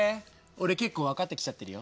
俺結構分かってきちゃってるよ。